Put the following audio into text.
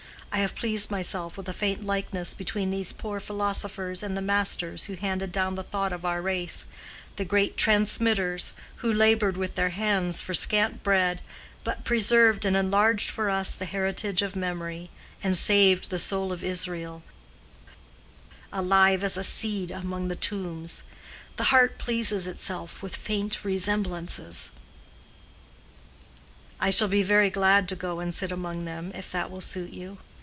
I have pleased myself with a faint likeness between these poor philosophers and the Masters who handed down the thought of our race—the great Transmitters, who labored with their hands for scant bread, but preserved and enlarged for us the heritage of memory, and saved the soul of Israel alive as a seed among the tombs. The heart pleases itself with faint resemblances." "I shall be very glad to go and sit among them, if that will suit you.